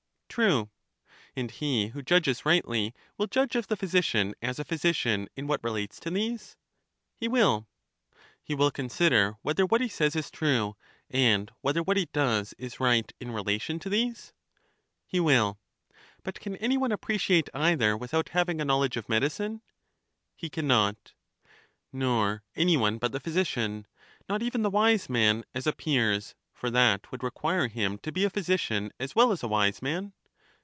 True. And he who judges rightly will judge of the physi cian as a physician in what relates to these? He wiU. He will consider whether what he says is true, and whether what he does is right in relation to these? He will. But can any one appreciate either without having a knowledge of medicine? He can not. Nor any one but the physician, not even the wise nian, as appears; for that would require him to be a physician as well as a wise man?